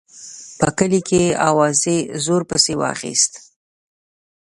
په کلي کې اوازې زور پسې واخیست.